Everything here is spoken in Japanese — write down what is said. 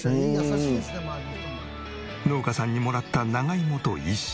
農家さんにもらった長芋と一緒に煮込めば。